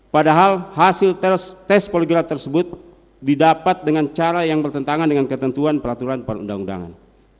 padahal hasil tes poligraf tersebut didapat dengan cara yang bertentangan dengan ketentuan peraturan perundang undangan